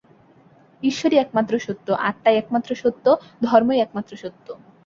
ঈশ্বরই একমাত্র সত্য, আত্মাই একমাত্র সত্য, ধর্মই একমাত্র সত্য।